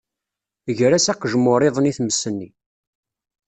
Ger-as aqejmur-iḍen i tmes-nni.